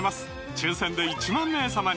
抽選で１万名様に！